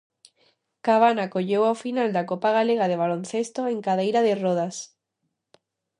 Cabana acolleu a final da copa galega de baloncesto en cadeira de rodas.